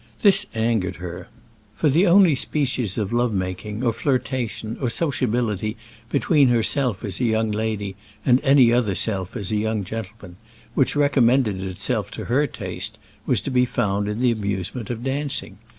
This angered her. For the only species of love making, or flirtation, or sociability between herself as a young lady, and any other self as a young gentleman, which recommended itself to her taste, was to be found in the amusement of dancing.